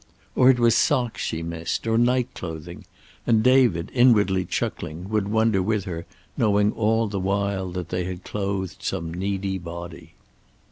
Or it was socks she missed, or night clothing. And David, inwardly chuckling, would wonder with her, knowing all the while that they had clothed some needy body.